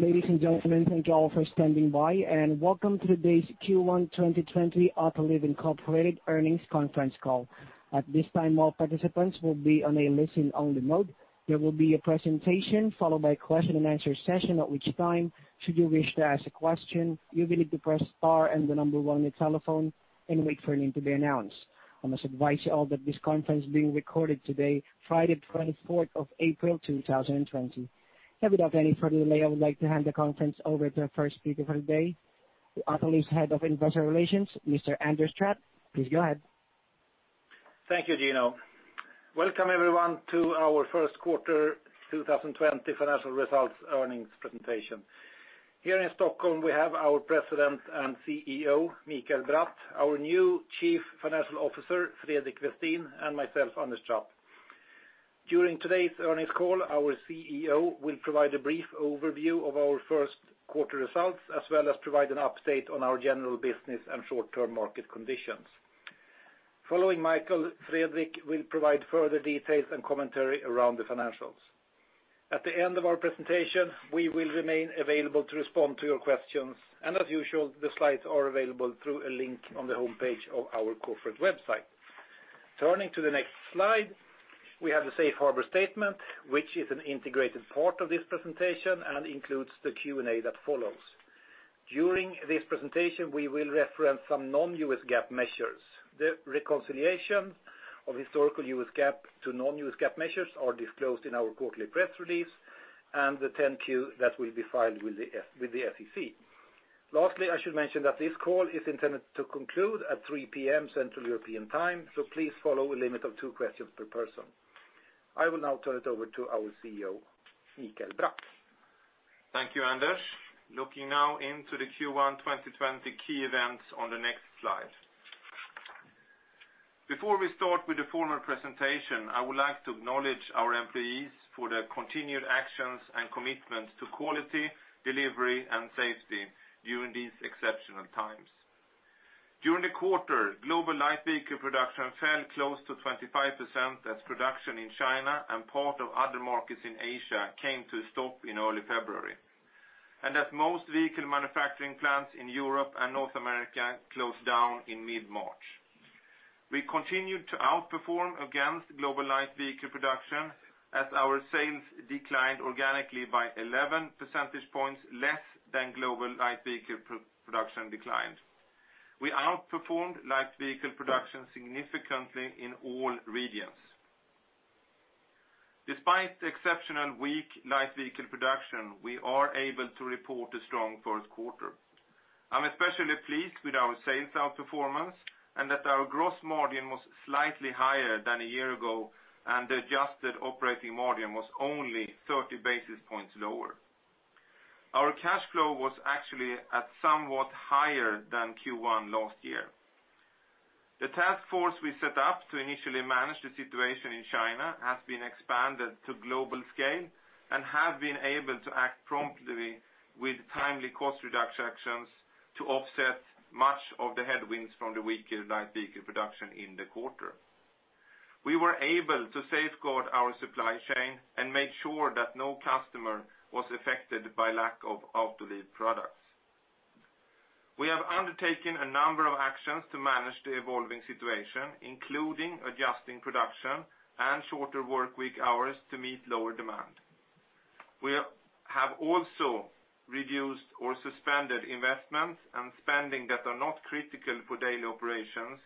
Ladies and gentlemen, thank you all for standing by, and welcome to today's Q1 2020 Autoliv, Inc. earnings conference call. At this time, all participants will be on a listen-only mode. There will be a presentation, followed by question and answer session, at which time, should you wish to ask a question, you will need to press star and the number one on your telephone and wait for your name to be announced. I must advise you all that this conference is being recorded today, Friday the 24th April, 2020. Without any further delay, I would like to hand the conference over to our first speaker for the day, Autoliv's Head of Investor Relations, Mr. Anders Trapp. Please go ahead. Thank you, Gino. Welcome, everyone, to our first quarter 2020 financial results earnings presentation. Here in Stockholm, we have our President and CEO, Mikael Bratt, our new Chief Financial Officer, Fredrik Westin, and myself, Anders Trapp. During today's earnings call, our CEO will provide a brief overview of our first quarter results, as well as provide an update on our general business and short-term market conditions. Following Mikael, Fredrik will provide further details and commentary around the financials. At the end of our presentation, we will remain available to respond to your questions. As usual, the slides are available through a link on the homepage of our corporate website. Turning to the next slide, we have the safe harbor statement, which is an integrated part of this presentation and includes the Q&A that follows. During this presentation, we will reference some non-U.S. GAAP measures. The reconciliation of historical U.S. GAAP to non-U.S. GAAP measures are disclosed in our quarterly press release and the 10-Q that will be filed with the SEC. Lastly, I should mention that this call is intended to conclude at 3:00 PM Central European Time. Please follow a limit of two questions per person. I will now turn it over to our CEO, Mikael Bratt. Thank you, Anders. Looking now into the Q1 2020 key events on the next slide. Before we start with the formal presentation, I would like to acknowledge our employees for their continued actions and commitment to quality, delivery, and safety during these exceptional times. During the quarter, global light vehicle production fell close to 25% as production in China and part of other markets in Asia came to a stop in early February, and as most vehicle manufacturing plants in Europe and North America closed down in mid-March. We continued to outperform against global light vehicle production as our sales declined organically by 11 percentage points less than global light vehicle production declined. We outperformed light vehicle production significantly in all regions. Despite the exceptional weak light vehicle production, we are able to report a strong first quarter. I am especially pleased with our sales outperformance and that our gross margin was slightly higher than a year ago. The adjusted operating margin was only 30 basis points lower. Our cash flow was actually at somewhat higher than Q1 last year. The task force we set up to initially manage the situation in China has been expanded to global scale and have been able to act promptly with timely cost reduction actions to offset much of the headwinds from the weaker light vehicle production in the quarter. We were able to safeguard our supply chain and make sure that no customer was affected by lack of Autoliv products. We have undertaken a number of actions to manage the evolving situation, including adjusting production and shorter workweek hours to meet lower demand. We have also reduced or suspended investments and spending that are not critical for daily operations,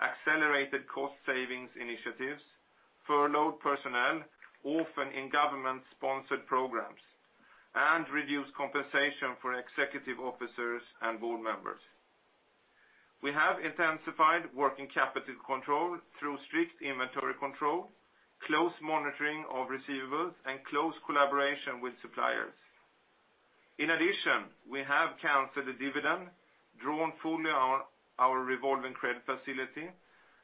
accelerated cost savings initiatives, furloughed personnel, often in government-sponsored programs, and reduced compensation for executive officers and board members. We have intensified working capital control through strict inventory control, close monitoring of receivables, and close collaboration with suppliers. We have canceled the dividend, drawn fully on our revolving credit facility,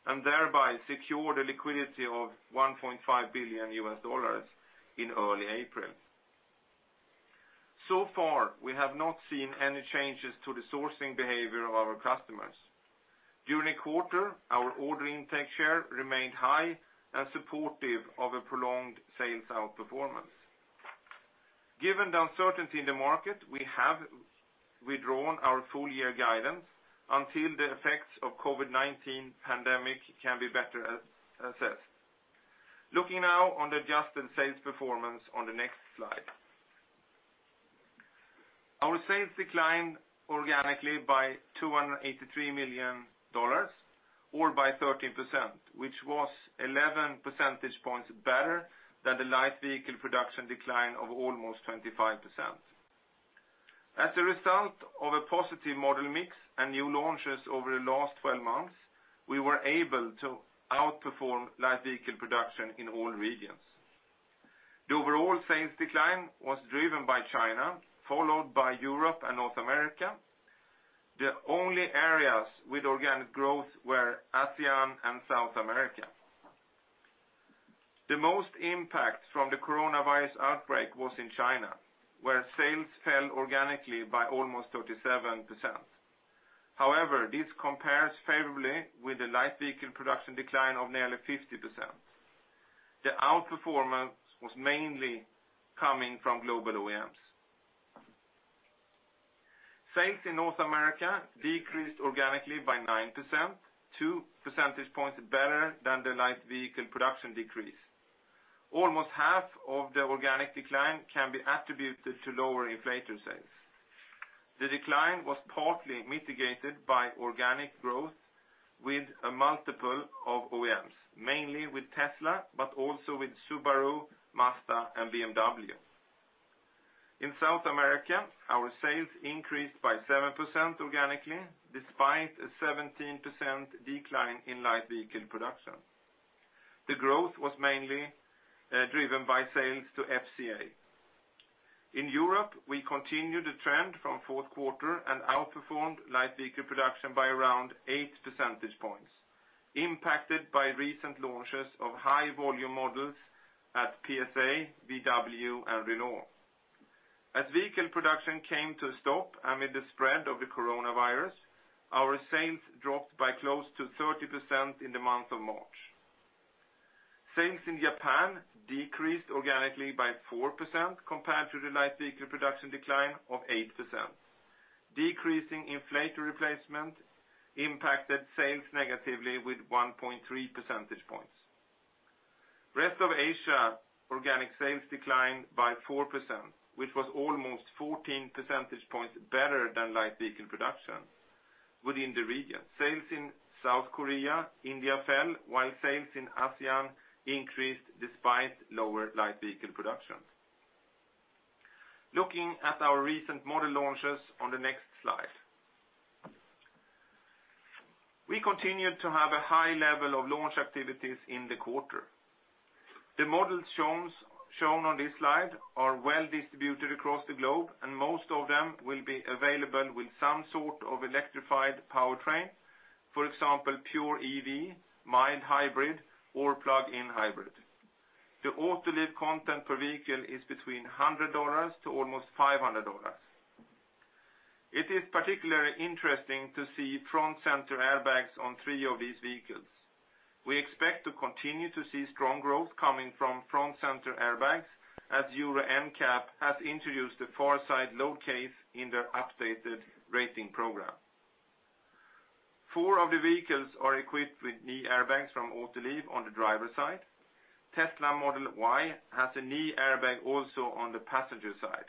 and thereby secured a liquidity of $1.5 billion in early April. We have not seen any changes to the sourcing behavior of our customers. During the quarter, our order intake share remained high and supportive of a prolonged sales outperformance. Given the uncertainty in the market, we have withdrawn our full-year guidance until the effects of COVID-19 pandemic can be better assessed. Looking now on the adjusted sales performance on the next slide. Our sales declined organically by $283 million, or by 13%, which was 11 percentage points better than the light vehicle production decline of almost 25%. As a result of a positive model mix and new launches over the last 12 months, we were able to outperform light vehicle production in all regions. The overall sales decline was driven by China, followed by Europe and North America. The only areas with organic growth were ASEAN and South America. The most impact from the coronavirus outbreak was in China, where sales fell organically by almost 37%. This compares favorably with the light vehicle production decline of nearly 50%. The outperformance was mainly coming from global OEMs. Sales in North America decreased organically by 9%, 2 percentage points better than the light vehicle production decrease. Almost half of the organic decline can be attributed to lower inflator sales. The decline was partly mitigated by organic growth with a multiple of OEMs, mainly with Tesla, also with Subaru, Mazda, and BMW. In South America, our sales increased by 7% organically despite a 17% decline in light vehicle production. The growth was mainly driven by sales to FCA. In Europe, we continued the trend from fourth quarter and outperformed light vehicle production by around eight percentage points, impacted by recent launches of high-volume models at PSA, VW, and Renault. As vehicle production came to a stop amid the spread of the coronavirus, our sales dropped by close to 30% in the month of March. Sales in Japan decreased organically by 4% compared to the light vehicle production decline of 8%. Decreasing inflator replacement impacted sales negatively with 1.3 percentage points. Rest of Asia organic sales declined by 4%, which was almost 14 percentage points better than light vehicle production within the region. Sales in South Korea, India fell, while sales in ASEAN increased despite lower light vehicle production. Looking at our recent model launches on the next slide. We continued to have a high level of launch activities in the quarter. The models shown on this slide are well distributed across the globe, and most of them will be available with some sort of electrified powertrain. For example, pure EV, mild hybrid, or plug-in hybrid. The Autoliv content per vehicle is between $100 to almost $500. It is particularly interesting to see Front Center Airbag on three of these vehicles. We expect to continue to see strong growth coming from Front Center Airbag as Euro NCAP has introduced the far-side load case in their updated rating program. Four of the vehicles are equipped with knee airbags from Autoliv on the driver's side. Tesla Model Y has a knee airbag also on the passenger side.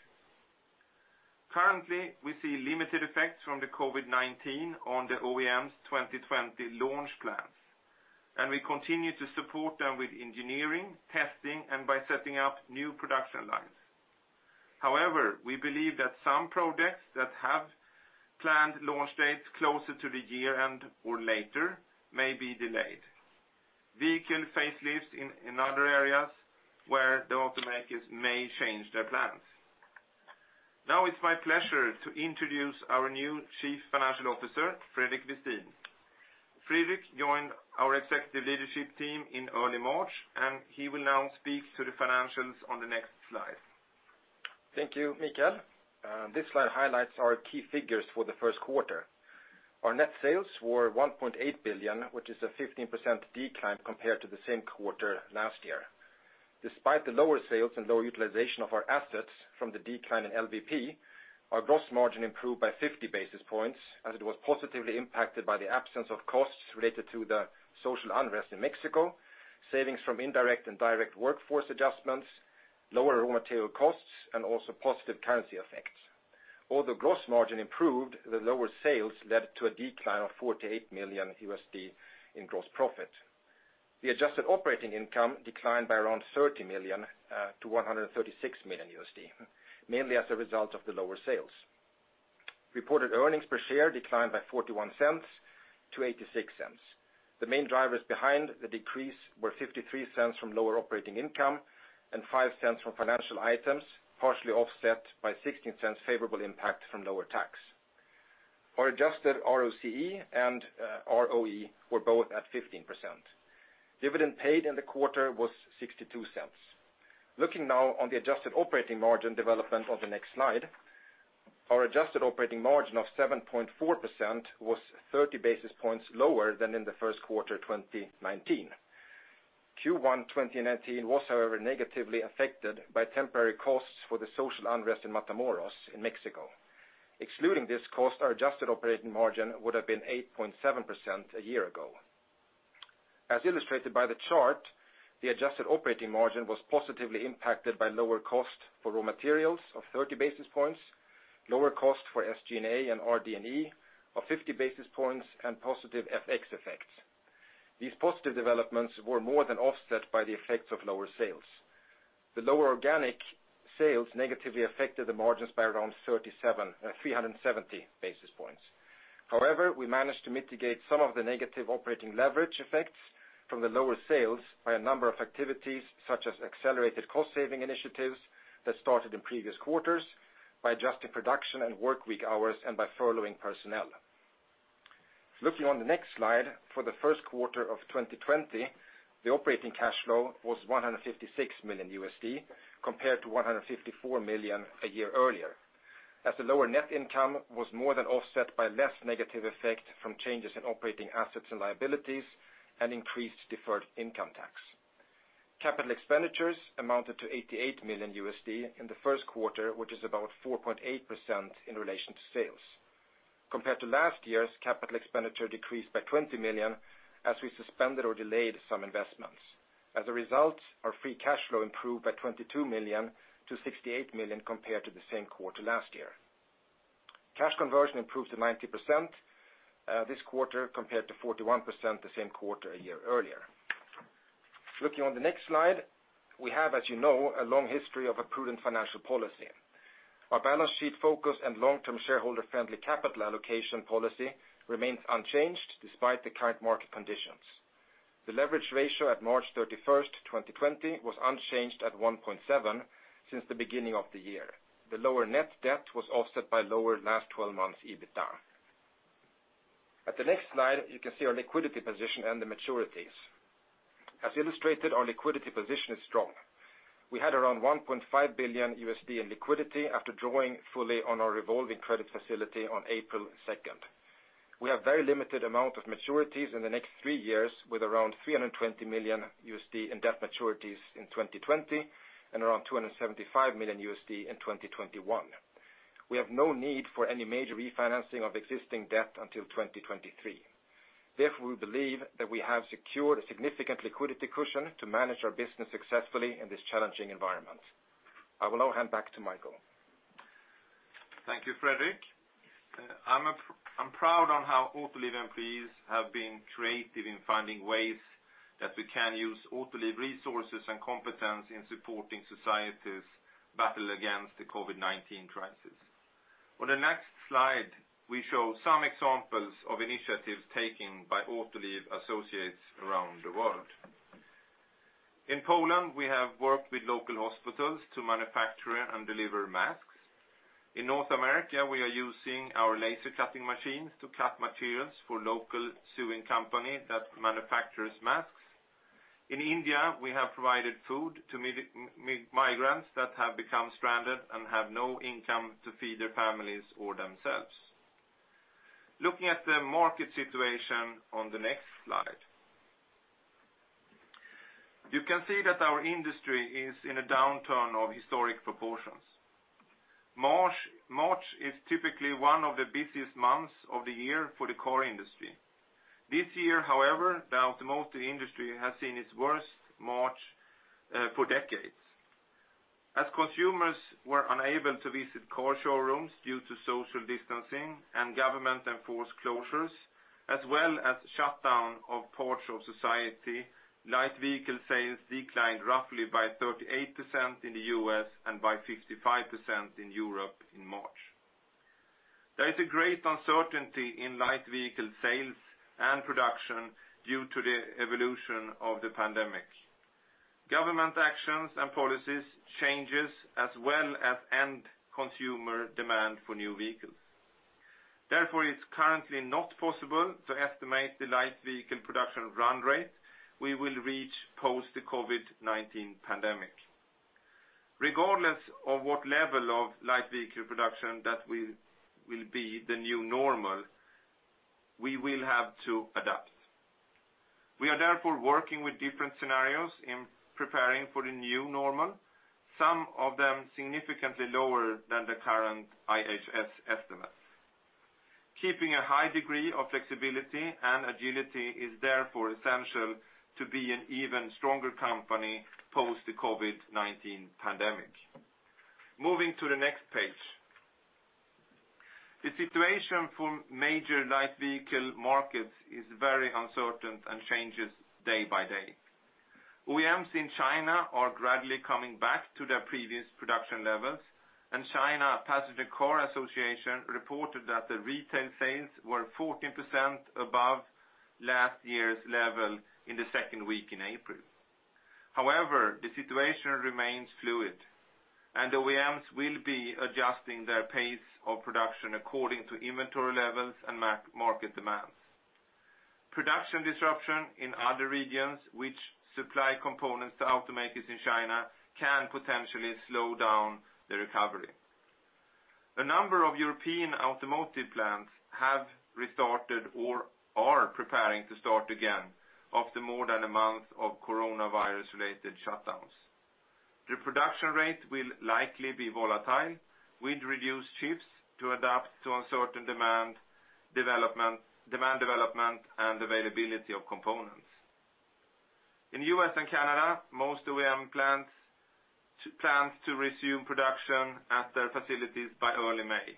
Currently, we see limited effects from the COVID-19 on the OEM's 2020 launch plans. We continue to support them with engineering, testing, and by setting up new production lines. We believe that some projects that have planned launch dates closer to the year-end or later may be delayed. Vehicle facelifts in other areas where the automakers may change their plans. Now it's my pleasure to introduce our new Chief Financial Officer, Fredrik Westin. Fredrik joined our executive leadership team in early March, and he will now speak to the financials on the next slide. Thank you, Mikael. This slide highlights our key figures for the first quarter. Our net sales were $1.8 billion, which is a 15% decline compared to the same quarter last year. Despite the lower sales and lower utilization of our assets from the decline in LVP, our gross margin improved by 50 basis points as it was positively impacted by the absence of costs related to the social unrest in Mexico, savings from indirect and direct workforce adjustments, lower raw material costs, and also positive currency effects. Gross margin improved, the lower sales led to a decline of $48 million in gross profit. The adjusted operating income declined by around $30 million to $136 million, mainly as a result of the lower sales. Reported earnings per share declined by $0.41 to $0.86. The main drivers behind the decrease were $0.53 from lower operating income and $0.05 from financial items, partially offset by $0.16 favorable impact from lower tax. Our adjusted ROCE and ROE were both at 15%. Dividend paid in the quarter was $0.62. Looking now on the adjusted operating margin development on the next slide. Our adjusted operating margin of 7.4% was 30 basis points lower than in the first quarter 2019. Q1 2019 was, however, negatively affected by temporary costs for the social unrest in Matamoros in Mexico. Excluding this cost, our adjusted operating margin would have been 8.7% a year ago. As illustrated by the chart, the adjusted operating margin was positively impacted by lower cost for raw materials of 30 basis points, lower cost for SG&A and RD&E of 50 basis points, and positive FX effects. These positive developments were more than offset by the effects of lower sales. The lower organic sales negatively affected the margins by around 370 basis points. However, we managed to mitigate some of the negative operating leverage effects from the lower sales by a number of activities, such as accelerated cost-saving initiatives that started in previous quarters, by adjusting production and workweek hours, and by furloughing personnel. Looking on the next slide for the first quarter of 2020, the operating cash flow was $156 million compared to $154 million a year earlier. As the lower net income was more than offset by less negative effect from changes in operating assets and liabilities and increased deferred income tax. Capital expenditures amounted to $88 million in the first quarter, which is about 4.8% in relation to sales. Compared to last year's capital expenditure decreased by $20 million, as we suspended or delayed some investments. As a result, our free cash flow improved by $22 million to $68 million compared to the same quarter last year. Cash conversion improved to 90% this quarter compared to 41% the same quarter a year earlier. Looking on the next slide, we have, as you know, a long history of a prudent financial policy. Our balance sheet focus and long-term shareholder-friendly capital allocation policy remains unchanged despite the current market conditions. The leverage ratio at March 31st, 2020, was unchanged at 1.7x since the beginning of the year. The lower net debt was offset by lower last 12 months EBITDA. At the next slide, you can see our liquidity position and the maturities. As illustrated, our liquidity position is strong. We had around $1.5 billion in liquidity after drawing fully on our revolving credit facility on April 2nd. We have very limited amount of maturities in the next three years, with around $320 million in debt maturities in 2020 and around $275 million in 2021. We have no need for any major refinancing of existing debt until 2023. Therefore, we believe that we have secured a significant liquidity cushion to manage our business successfully in this challenging environment. I will now hand back to Mikael. Thank you, Fredrik. I'm proud on how Autoliv employees have been creative in finding ways that we can use Autoliv resources and competence in supporting society's battle against the COVID-19 crisis. On the next slide, we show some examples of initiatives taken by Autoliv associates around the world. In Poland, we have worked with local hospitals to manufacture and deliver masks. In North America, we are using our laser cutting machines to cut materials for local sewing company that manufactures masks. In India, we have provided food to migrants that have become stranded and have no income to feed their families or themselves. Looking at the market situation on the next slide. You can see that our industry is in a downturn of historic proportions. March is typically one of the busiest months of the year for the car industry. This year, however, the automotive industry has seen its worst March for decades. As consumers were unable to visit car showrooms due to social distancing and government-enforced closures, as well as shutdown of parts of society, light vehicle sales declined roughly by 38% in the U.S. and by 55% in Europe in March. There is a great uncertainty in light vehicle sales and production due to the evolution of the pandemic, government actions and policies changes, as well as end consumer demand for new vehicles. It's currently not possible to estimate the light vehicle production run rate we will reach post the COVID-19 pandemic. Regardless of what level of light vehicle production that will be the new normal, we will have to adapt. We are therefore working with different scenarios in preparing for the new normal, some of them significantly lower than the current IHS estimates. Keeping a high degree of flexibility and agility is therefore essential to be an even stronger company post the COVID-19 pandemic. Moving to the next page. The situation for major light vehicle markets is very uncertain and changes day by day. OEMs in China are gradually coming back to their previous production levels, and China Passenger Car Association reported that the retail sales were 14% above last year's level in the second week in April. The situation remains fluid, and OEMs will be adjusting their pace of production according to inventory levels and market demands. Production disruption in other regions, which supply components to automakers in China, can potentially slow down the recovery. A number of European automotive plants have restarted or are preparing to start again after more than one month of coronavirus-related shutdowns. The production rate will likely be volatile, with reduced shifts to adapt to uncertain demand development, and availability of components. In U.S. and Canada, most OEM plan to resume production at their facilities by early May.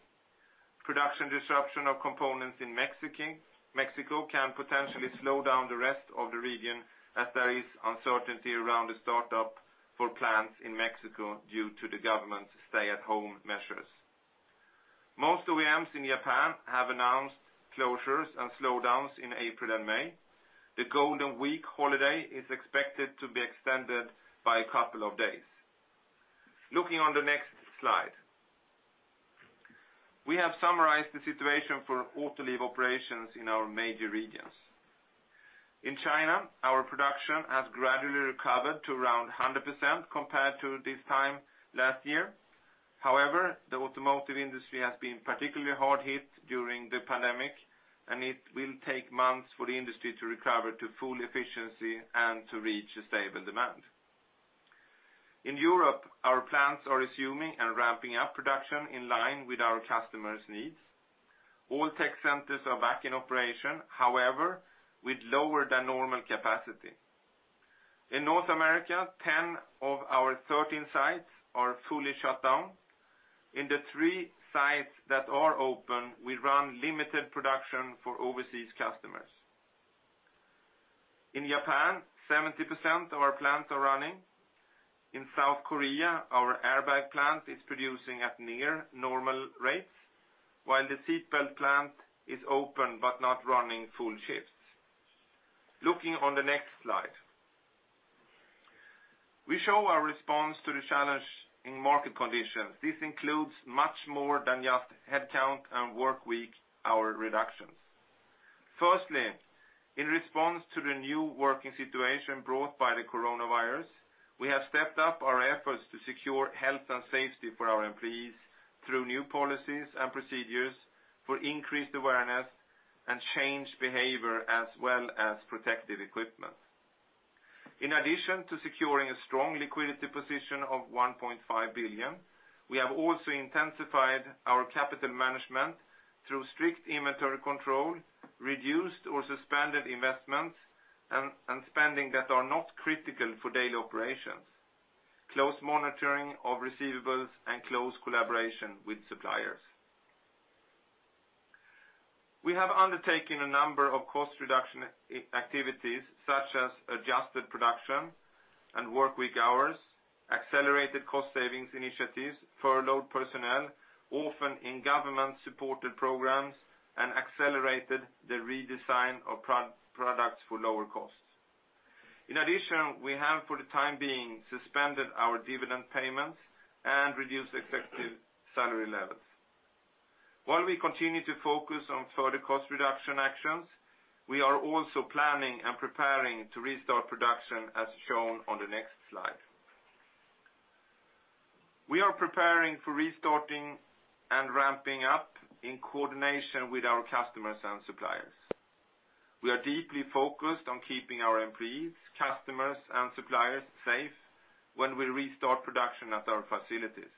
Production disruption of components in Mexico can potentially slow down the rest of the region as there is uncertainty around the startup for plants in Mexico due to the government's stay-at-home measures. Most OEMs in Japan have announced closures and slowdowns in April and May. The Golden Week holiday is expected to be extended by a couple of days. Looking on the next slide. We have summarized the situation for Autoliv operations in our major regions. In China, our production has gradually recovered to around 100% compared to this time last year. However, the automotive industry has been particularly hard hit during the pandemic, and it will take months for the industry to recover to full efficiency and to reach a stable demand. In Europe, our plants are resuming and ramping up production in line with our customers' needs. All tech centers are back in operation, however, with lower than normal capacity. In North America, 10 of our 13 sites are fully shut down. In the three sites that are open, we run limited production for overseas customers. In Japan, 70% of our plants are running. In South Korea, our airbag plant is producing at near normal rates, while the seatbelt plant is open but not running full shifts. Looking on the next slide. We show our response to the challenge in market conditions. This includes much more than just headcount and work week hour reductions. Firstly, in response to the new working situation brought by the COVID-19, we have stepped up our efforts to secure health and safety for our employees through new policies and procedures for increased awareness and changed behavior, as well as protective equipment. In addition to securing a strong liquidity position of $1.5 billion, we have also intensified our capital management through strict inventory control, reduced or suspended investments and spending that are not critical for daily operations, close monitoring of receivables, and close collaboration with suppliers. We have undertaken a number of cost reduction activities such as adjusted production and work week hours, accelerated cost savings initiatives, furloughed personnel, often in government-supported programs, and accelerated the redesign of products for lower costs. In addition, we have, for the time being, suspended our dividend payments and reduced executive salary levels. While we continue to focus on further cost reduction actions, we are also planning and preparing to restart production as shown on the next slide. We are preparing for restarting and ramping up in coordination with our customers and suppliers. We are deeply focused on keeping our employees, customers, and suppliers safe when we restart production at our facilities.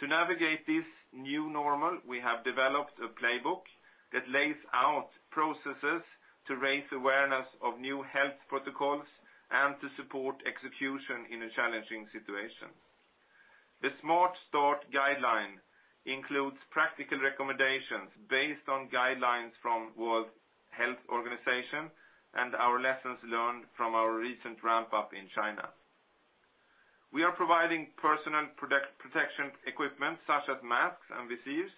To navigate this new normal, we have developed a playbook that lays out processes to raise awareness of new health protocols and to support execution in a challenging situation. The Smart Start guideline includes practical recommendations based on guidelines from World Health Organization and our lessons learned from our recent ramp-up in China. We are providing personal protection equipment such as masks and visors,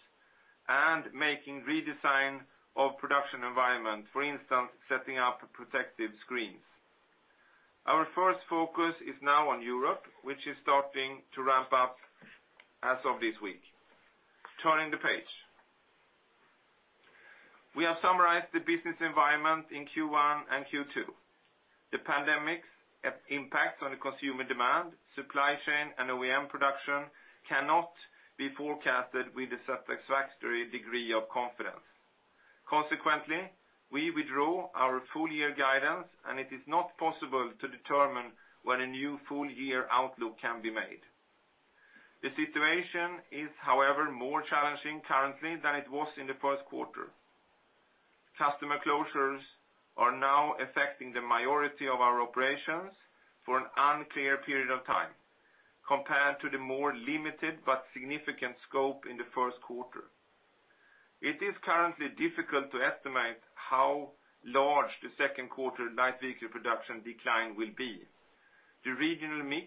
and making redesign of production environment. For instance, setting up protective screens. Our first focus is now on Europe, which is starting to ramp up as of this week. Turning the page. We have summarized the business environment in Q1 and Q2. The pandemic's impacts on the consumer demand, supply chain, and OEM production cannot be forecasted with a satisfactory degree of confidence. Consequently, we withdraw our full year guidance, and it is not possible to determine when a new full year outlook can be made. The situation is, however, more challenging currently than it was in the first quarter. Customer closures are now affecting the majority of our operations for an unclear period of time, compared to the more limited but significant scope in the first quarter. It is currently difficult to estimate how large the second quarter light vehicle production decline will be. The regional mix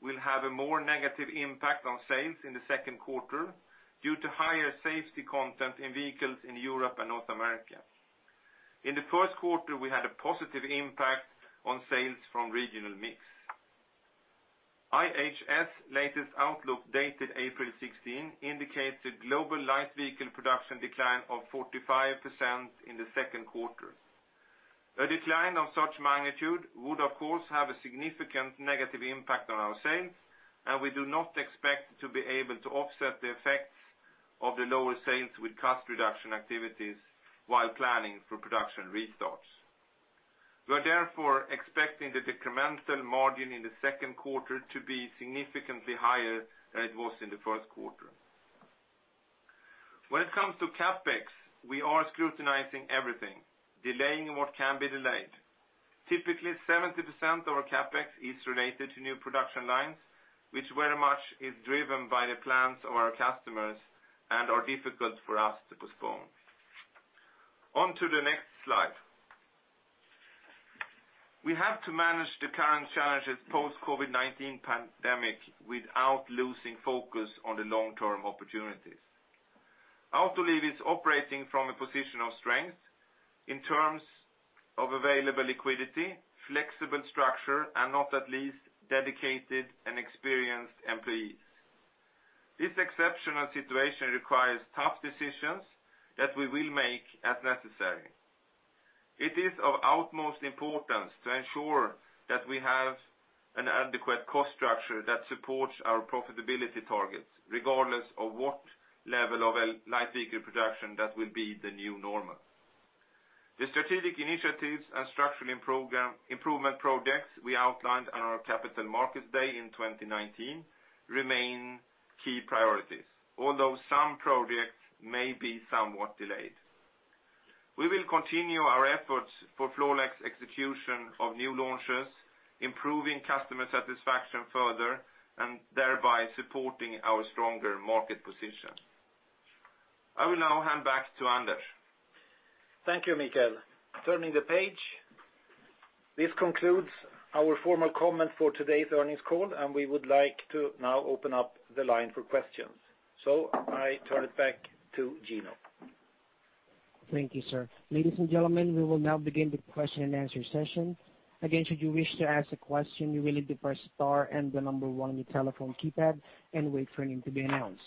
will have a more negative impact on sales in the second quarter due to higher safety content in vehicles in Europe and North America. In the first quarter, we had a positive impact on sales from regional mix. IHS latest outlook, dated April 16, indicates a global light vehicle production decline of 45% in the second quarter. A decline of such magnitude would, of course, have a significant negative impact on our sales, and we do not expect to be able to offset the effects of the lower sales with cost reduction activities while planning for production restarts. We are therefore expecting the incremental margin in the second quarter to be significantly higher than it was in the first quarter. When it comes to CapEx, we are scrutinizing everything, delaying what can be delayed. Typically, 70% of our CapEx is related to new production lines, which very much is driven by the plans of our customers and are difficult for us to postpone. On to the next slide. We have to manage the current challenges post-COVID-19 pandemic without losing focus on the long-term opportunities. Autoliv is operating from a position of strength in terms of available liquidity, flexible structure, and not at least dedicated and experienced employees. This exceptional situation requires tough decisions that we will make as necessary. It is of utmost importance to ensure that we have an adequate cost structure that supports our profitability targets, regardless of what level of light vehicle production that will be the new normal. The strategic initiatives and structural improvement projects we outlined on our Capital Markets Day in 2019 remain key priorities. Although some projects may be somewhat delayed. We will continue our efforts for flawless execution of new launches, improving customer satisfaction further, and thereby supporting our stronger market position. I will now hand back to Anders. Thank you, Mikael. Turning the page. This concludes our formal comment for today's earnings call, and we would like to now open up the line for questions. I turn it back to Gino. Thank you, sir. Ladies and gentlemen, we will now begin the question and answer session. Again, should you wish to ask a question, you will need to press star and the number one on your telephone keypad and wait for your name to be announced.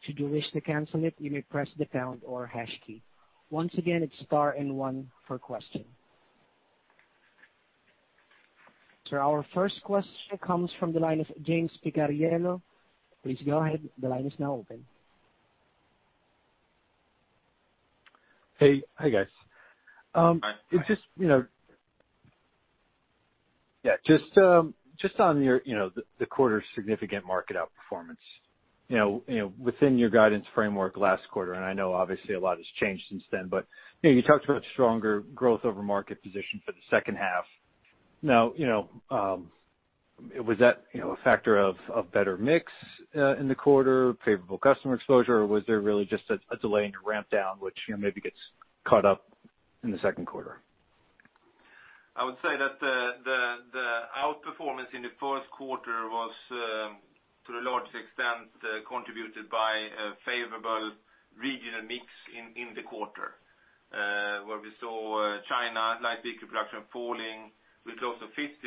Should you wish to cancel it, you may press the pound or hash key. Once again, it's star and one for question. Sir, our first question comes from the line of James Picariello. Please go ahead. The line is now open. Hey, guys. Hi. Yeah. Just on the quarter's significant market outperformance, within your guidance framework last quarter, and I know obviously a lot has changed since then, but you talked about stronger growth over market position for the second half. Was that a factor of better mix in the quarter, favorable customer exposure, or was there really just a delay in your ramp down, which maybe gets caught up in the second quarter? I would say that the outperformance in the first quarter was to a large extent contributed by a favorable regional mix in the quarter, where we saw China light vehicle production falling with close to 50%,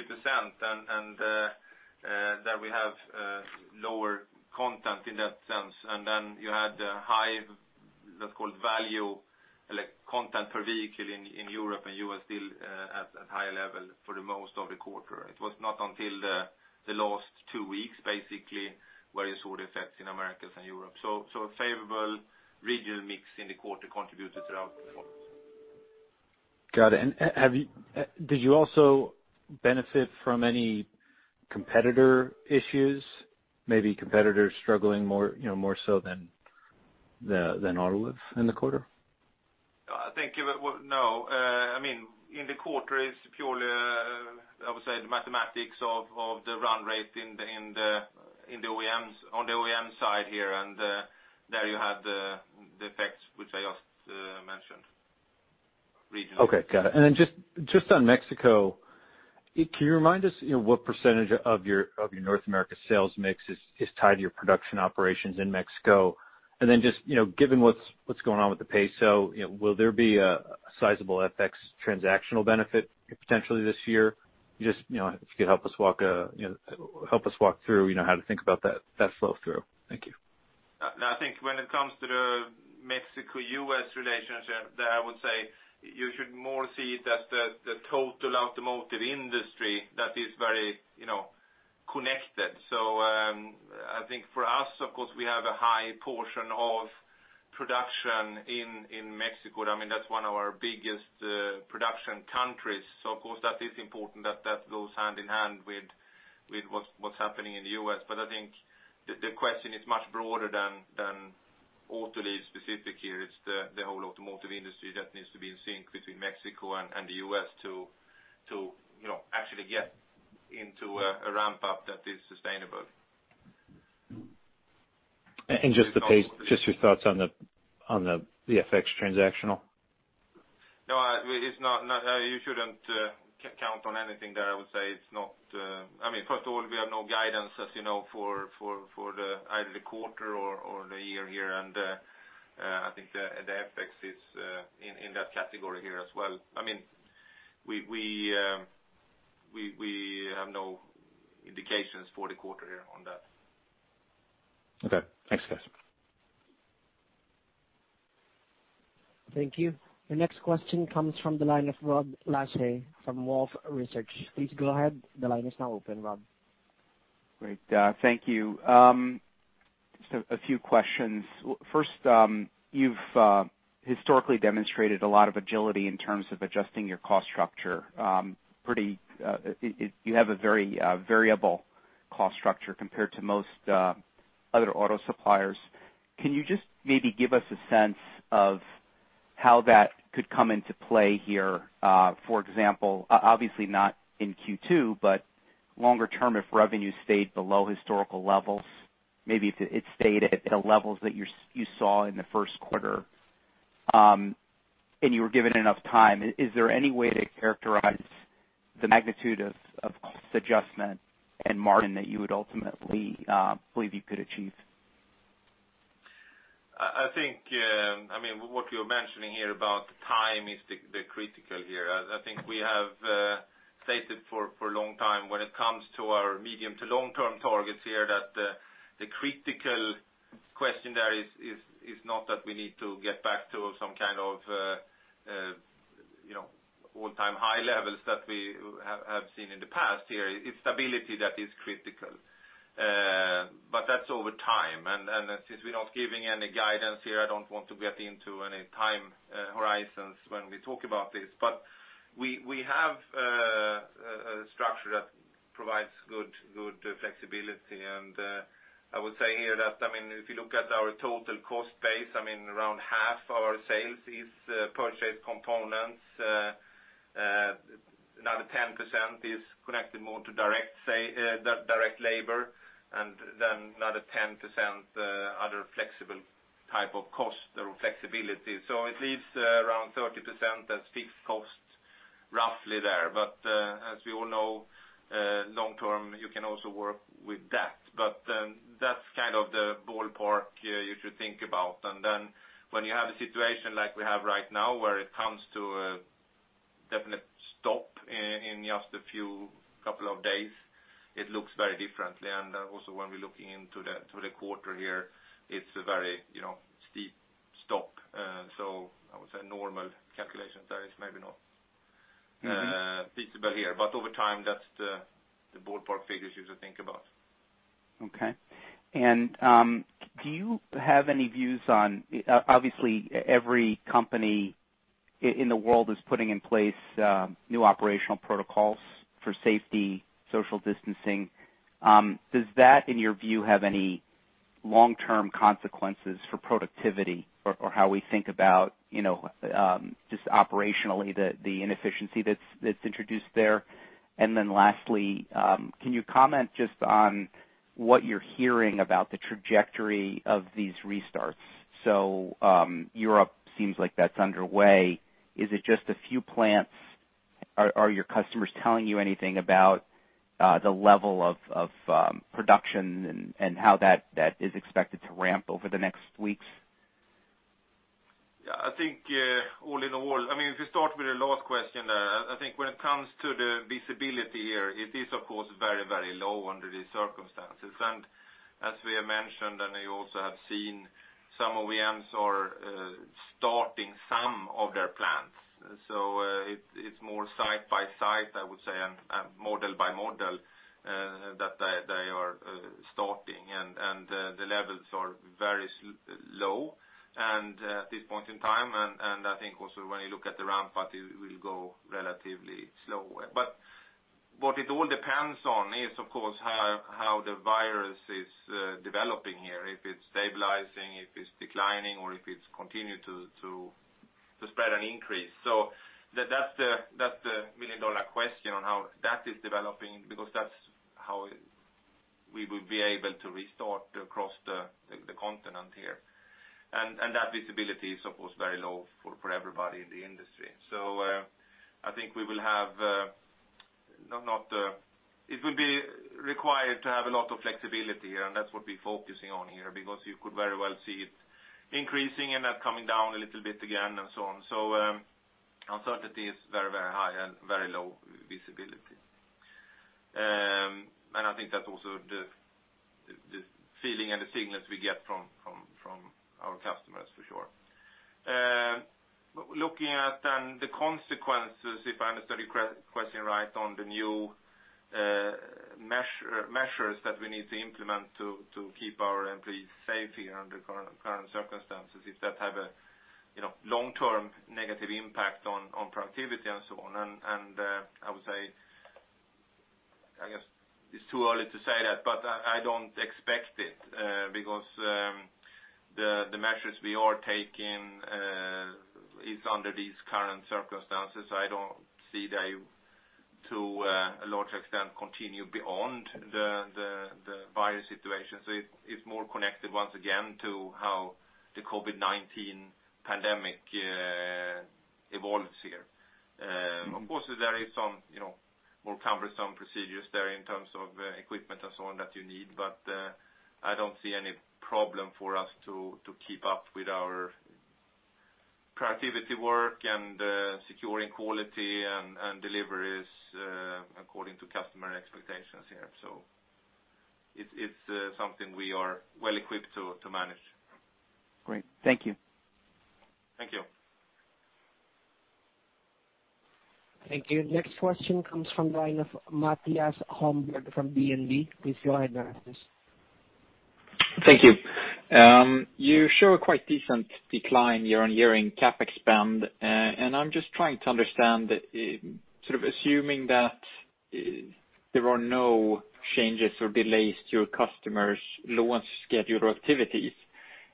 there we have lower content in that sense. You had the high, let's call it, value content per vehicle in Europe and U.S. still at high level for the most of the quarter. It was not until the last two weeks, basically, where you saw the effects in Americas and Europe. A favorable regional mix in the quarter contributed to our performance. Got it. Did you also benefit from any competitor issues, maybe competitors struggling more so than Autoliv in the quarter? I think, no. In the quarter it's purely, I would say, the mathematics of the run rate on the OEM side here. There you have the effects which I just mentioned regionally. Okay, got it. Just on Mexico, can you remind us what percentage of your North America sales mix is tied to your production operations in Mexico? Just given what's going on with the peso, will there be a sizable FX transactional benefit potentially this year? If you could help us walk through how to think about that flow through. Thank you. I think when it comes to the Mexico-U.S. relationship there, I would say you should more see it as the total automotive industry that is very connected. I think for us, of course, we have a high portion of production in Mexico. That's one of our biggest production countries. Of course, that is important that goes hand in hand with what's happening in the U.S. I think the question is much broader than Autoliv specific here. It's the whole automotive industry that needs to be in sync between Mexico and the U.S. to actually get into a ramp-up that is sustainable. Just your thoughts on the FX transactional. No, you shouldn't count on anything there, I would say. First of all, we have no guidance, as you know, for either the quarter or the year here. I think the FX is in that category here as well. We have no indications for the quarter here on that. Okay. Thanks, guys. Thank you. The next question comes from the line of Rod Lache from Wolfe Research. Please go ahead. The line is now open, Rod. Great. Thank you. Just a few questions. First, you've historically demonstrated a lot of agility in terms of adjusting your cost structure. You have a very variable cost structure compared to most other auto suppliers. Can you just maybe give us a sense of how that could come into play here? For example, obviously not in Q2, but longer term, if revenue stayed below historical levels, maybe if it stayed at the levels that you saw in the first quarter, and you were given enough time, is there any way to characterize the magnitude of cost adjustment and margin that you would ultimately believe you could achieve? I think what you're mentioning here about time is critical here. I think we have stated for a long time when it comes to our medium to long-term targets here, that the critical question there is not that we need to get back to some kind of all-time high levels that we have seen in the past here. It's stability that is critical. That's over time, and since we're not giving any guidance here, I don't want to get into any time horizons when we talk about this. We have a structure that provides good flexibility. I would say here that, if you look at our total cost base, around half our sales is purchased components. Another 10% is connected more to direct labor, another 10% other flexible type of cost or flexibility. It leaves around 30% as fixed costs, roughly there. As we all know, long term, you can also work with that. That's kind of the ballpark you should think about. Then when you have a situation like we have right now where it comes to a definite stop in just a few couple of days, it looks very differently. Also when we're looking into the quarter here, it's a very steep stop. I would say normal calculations there is maybe not feasible here. Over time, that's the ballpark figures you should think about. Okay. Do you have any views on-- Obviously, every company in the world is putting in place new operational protocols for safety, social distancing. Does that, in your view, have any long-term consequences for productivity or how we think about just operationally the inefficiency that's introduced there? Lastly, can you comment just on what you're hearing about the trajectory of these restarts? Europe seems like that's underway. Is it just a few plants? Are your customers telling you anything about the level of production and how that is expected to ramp over the next weeks? Yeah, I think If we start with the last question there, I think when it comes to the visibility here, it is, of course, very low under these circumstances. As we have mentioned, and you also have seen, some OEMs are starting some of their plans. It's more site by site, I would say, and model by model that they are starting. The levels are very low at this point in time. I think also when you look at the ramp up, it will go relatively slow. What it all depends on is, of course, how the virus is developing here, if it's stabilizing, if it's declining, or if it's continued to spread and increase. That's the million-dollar question on how that is developing, because that's how we will be able to restart across the continent here. That visibility is, of course, very low for everybody in the industry. I think it will be required to have a lot of flexibility here, and that's what we're focusing on here, because you could very well see it increasing and then coming down a little bit again, and so on. Uncertainty is very high and very low visibility. I think that's also the feeling and the signals we get from our customers for sure. Looking at then the consequences, if I understood your question right, on the new measures that we need to implement to keep our employees safe here under current circumstances, if that have a long-term negative impact on productivity and so on. I would say, I guess it's too early to say that, but I don't expect it, because the measures we are taking is under these current circumstances. I don't see they, to a large extent, continue beyond the virus situation. It's more connected once again to how the COVID-19 pandemic evolves here. Of course, there is some more cumbersome procedures there in terms of equipment and so on that you need, but I don't see any problem for us to keep up with our productivity work and securing quality and deliveries according to customer expectations here. It's something we are well equipped to manage. Great. Thank you. Thank you. Thank you. Next question comes from the line of Mattias Holmberg from DNB. Please go ahead, Mattias. Thank you. You show a quite decent decline year-over-year in CapEx spend. I'm just trying to understand, sort of assuming that there are no changes or delays to your customers' launch schedule activities,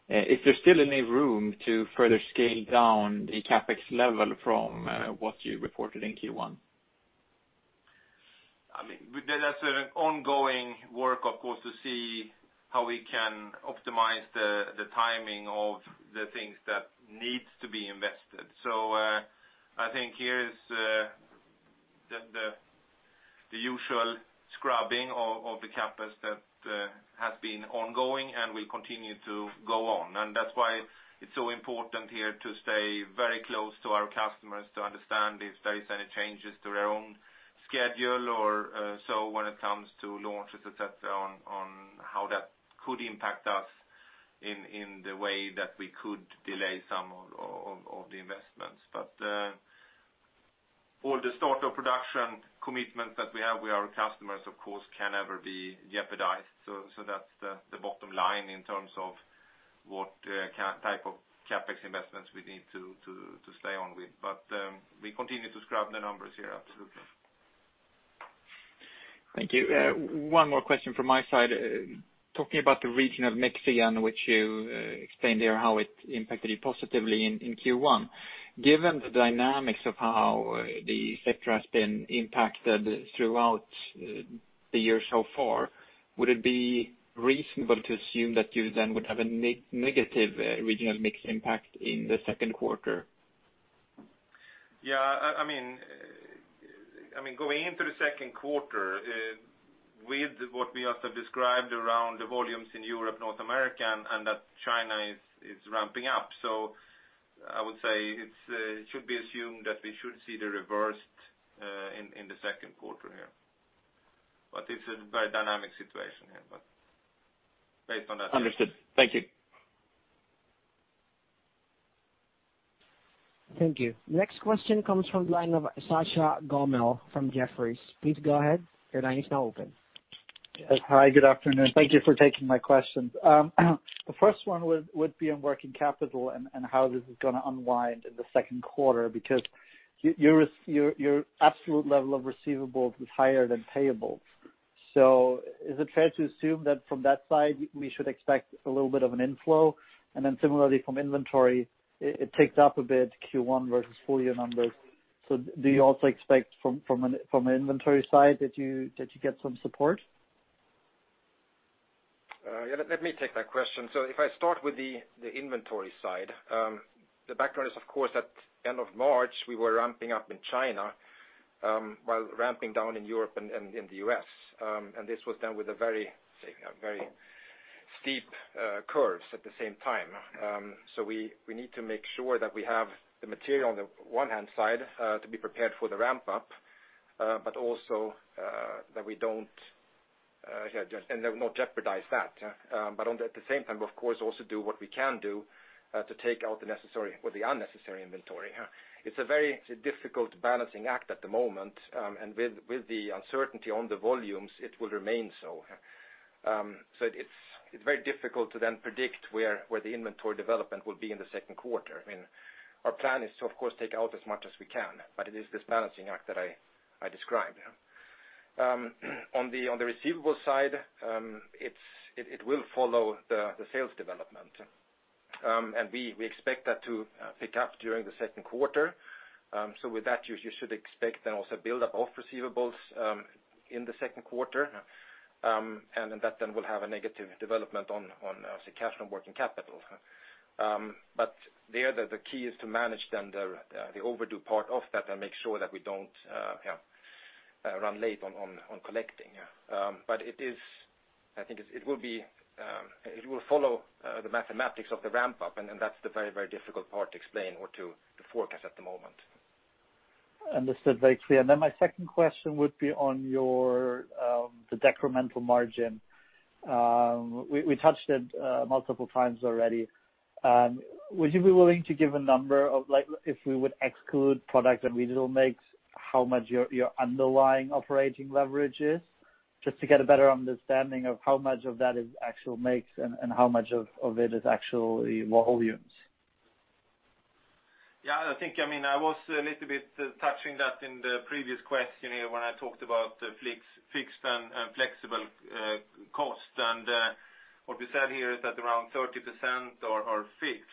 is there still any room to further scale down the CapEx level from what you reported in Q1? That's an ongoing work, of course, to see how we can optimize the timing of the things that needs to be invested. I think here is usual scrubbing of the CapEx that has been ongoing and will continue to go on. That's why it's so important here to stay very close to our customers to understand if there is any changes to their own schedule or so when it comes to launches, et cetera, on how that could impact us in the way that we could delay some of the investments. All the start of production commitments that we have with our customers, of course, can never be jeopardized. That's the bottom line in terms of what type of CapEx investments we need to stay on with. We continue to scrub the numbers here absolutely. Thank you. One more question from my side. Talking about the regional mix, again, which you explained here how it impacted you positively in Q1. Given the dynamics of how the sector has been impacted throughout the year so far, would it be reasonable to assume that you then would have a negative regional mix impact in the second quarter? Yeah. Going into the second quarter, with what we also described around the volumes in Europe, North America, and that China is ramping up. I would say it should be assumed that we should see the reverse in the second quarter here. It's a very dynamic situation here. Understood. Thank you. Thank you. Next question comes from the line of Sascha Gommel from Jefferies. Please go ahead. Your line is now open. Hi, good afternoon. Thank you for taking my questions. The first one would be on working capital and how this is going to unwind in the second quarter, because your absolute level of receivables is higher than payables. Is it fair to assume that from that side, we should expect a little bit of an inflow? Similarly from inventory, it ticks up a bit Q1 versus full year numbers. Do you also expect from an inventory side that you get some support? Yeah, let me take that question. If I start with the inventory side. The background is, of course, at end of March, we were ramping up in China, while ramping down in Europe and in the U.S. This was done with a very steep curves at the same time. We need to make sure that we have the material on the one hand side, to be prepared for the ramp-up, but also that we don't jeopardize that. At the same time, of course, also do what we can do, to take out the necessary or the unnecessary inventory. It's a very difficult balancing act at the moment. With the uncertainty on the volumes, it will remain so. It's very difficult to then predict where the inventory development will be in the second quarter. Our plan is to, of course, take out as much as we can, but it is this balancing act that I described. On the receivable side, it will follow the sales development. We expect that to pick up during the second quarter. With that, you should expect then also build up of receivables in the second quarter, and that then will have a negative development on the cash and working capital. There, the key is to manage then the overdue part of that and make sure that we don't run late on collecting. It will follow the mathematics of the ramp-up, and that's the very, very difficult part to explain or to forecast at the moment. Understood very clear. My second question would be on the decremental margin. We touched it multiple times already. Would you be willing to give a number of, if we would exclude product that we regional mix, how much your underlying operating leverage is, just to get a better understanding of how much of that is actual mix and how much of it is actually volumes? Yeah, I was a little bit touching that in the previous question here when I talked about fixed and flexible cost. What we said here is that around 30% are fixed.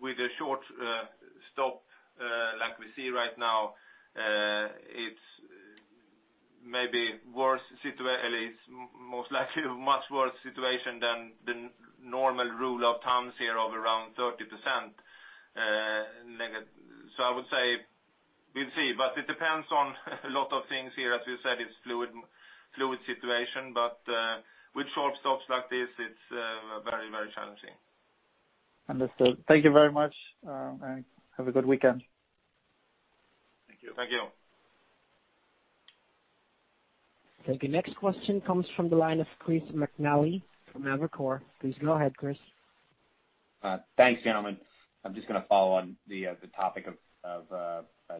With a short stop like we see right now, it's most likely a much worse situation than the normal rule of thumbs here of around 30%. I would say we'll see, but it depends on a lot of things here. As you said, it's fluid situation, but with short stops like this, it's very challenging. Understood. Thank you very much, and have a good weekend. Thank you. Thank you. Thank you. Next question comes from the line of Chris McNally from Evercore. Please go ahead, Chris. Thanks, gentlemen. I'm just going to follow on the topic of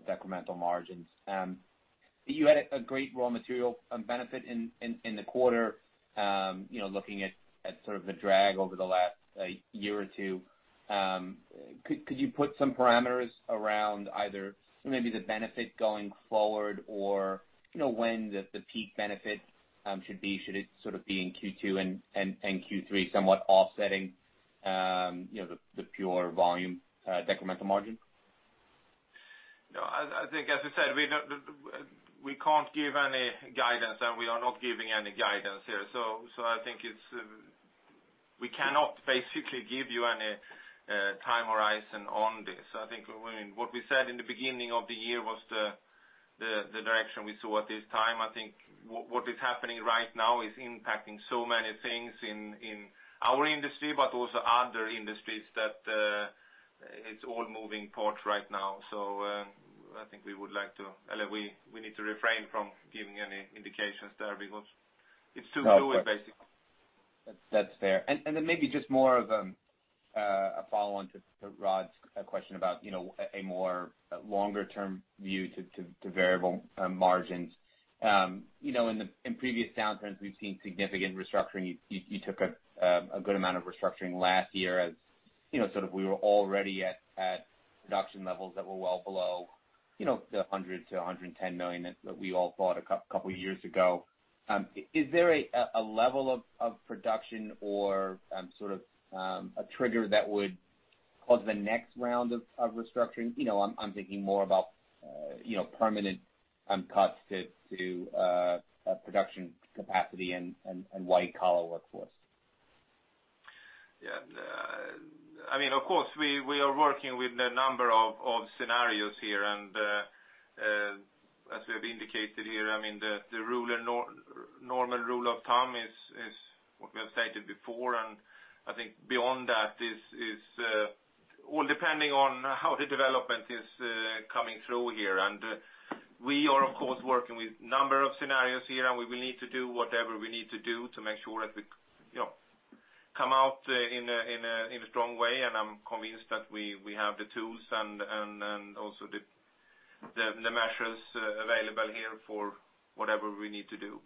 decremental margins. You had a great raw material benefit in the quarter, looking at sort of the drag over the last year or two. Could you put some parameters around either maybe the benefit going forward or when the peak benefit should be? Should it sort of be in Q2 and Q3 somewhat offsetting the pure volume decremental margin? No, I think, as I said, we can't give any guidance, and we are not giving any guidance here. I think We cannot basically give you any time horizon on this. I think what we said in the beginning of the year was the direction we saw at this time. I think what is happening right now is impacting so many things in our industry, but also other industries, that it's all moving parts right now. I think we need to refrain from giving any indications there because it's too fluid, basically. That's fair. Then maybe just more of a follow-on to Rod's question about a more longer-term view to variable margins. In previous downturns, we've seen significant restructuring. You took a good amount of restructuring last year as sort of we were already at production levels that were well below the $100 million-$110 million that we all thought a couple of years ago. Is there a level of production or sort of a trigger that would cause the next round of restructuring? I'm thinking more about permanent cuts to production capacity and white-collar workforce. Yeah. Of course, we are working with a number of scenarios here, and as we have indicated here, the normal rule of thumb is what we have stated before. I think beyond that is all depending on how the development is coming through here. We are, of course, working with number of scenarios here, and we will need to do whatever we need to do to make sure that we come out in a strong way. I'm convinced that we have the tools and also the measures available here for whatever we need to do.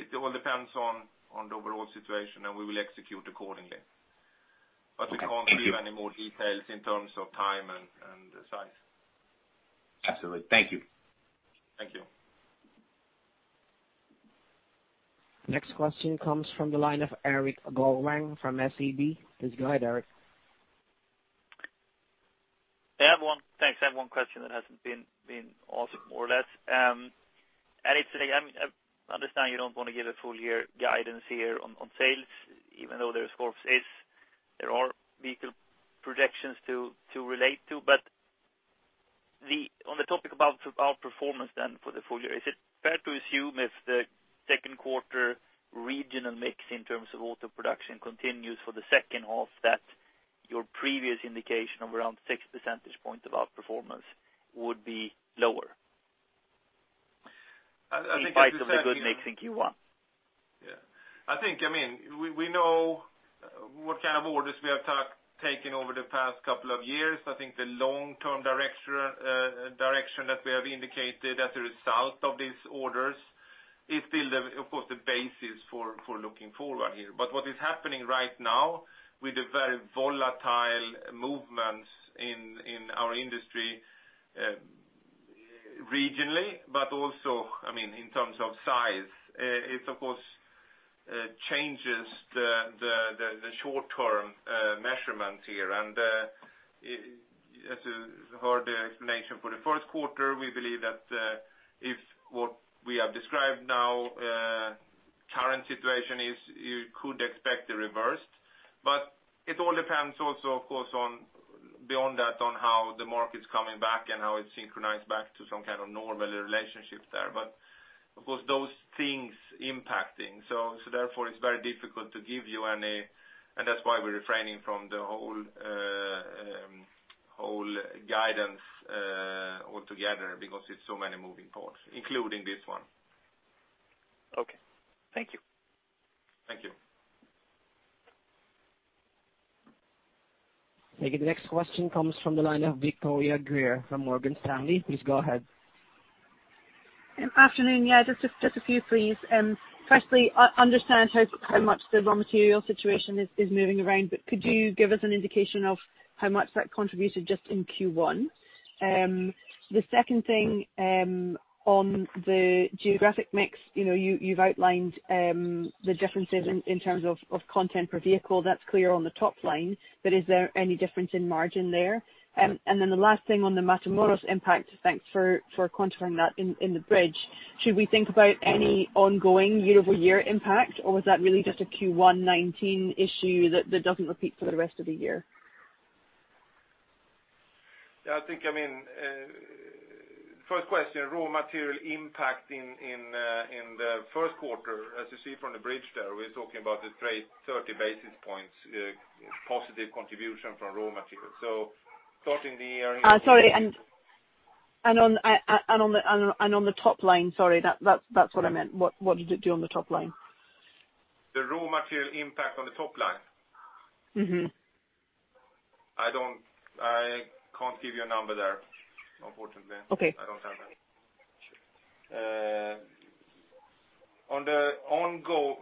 It all depends on the overall situation, and we will execute accordingly. Okay. Thank you. We can't give any more details in terms of time and size. Absolutely. Thank you. Thank you. Next question comes from the line of Erik Golrang from SEB. Please go ahead, Erik. Thanks. I have one question that hasn't been asked, more or less. I understand you don't want to give a full year guidance here on sales, even though there are vehicle projections to relate to. On the topic about outperformance then for the full year, is it fair to assume if the second quarter regional mix in terms of auto production continues for the second half, that your previous indication of around six percentage point of outperformance would be lower- I think it's the second- in spite of the good mix in Q1? Yeah. I think we know what kind of orders we have taken over the past couple of years. I think the long-term direction that we have indicated as a result of these orders is still, of course, the basis for looking forward here. What is happening right now with the very volatile movements in our industry, regionally, but also in terms of size, it of course changes the short-term measurement here. As you heard the explanation for the first quarter, we believe that if what we have described now, current situation is you could expect the reverse. It all depends also, of course, on beyond that, on how the market's coming back and how it synchronize back to some kind of normal relationship there. Of course, those things impacting. Therefore it's very difficult to give you any, and that's why we're refraining from the whole guidance altogether, because it's so many moving parts, including this one. Okay. Thank you. Thank you. Okay, the next question comes from the line of Victoria Greer from Morgan Stanley. Please go ahead. Afternoon. Yeah, just a few please. Firstly, I understand how much the raw material situation is moving around, but could you give us an indication of how much that contributed just in Q1? The second thing, on the geographic mix. You've outlined the differences in terms of content per vehicle, that's clear on the top line. Is there any difference in margin there? The last thing on the Matamoros impact. Thanks for quantifying that in the bridge. Should we think about any ongoing year-over-year impact, or was that really just a Q1 2019 issue that doesn't repeat for the rest of the year? Yeah. First question, raw material impact in the first quarter. As you see from the bridge there, we're talking about the 30 basis points positive contribution from raw materials. Sorry. On the top line, sorry, that's what I meant. What did it do on the top line? The raw material impact on the top line? I can't give you a number there, unfortunately. Okay. I don't have that. On the ongoing,